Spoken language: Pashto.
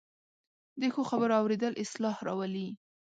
د ښو خبرو اورېدل اصلاح راولي